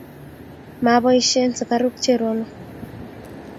Moboisyen sukaruk Cherono.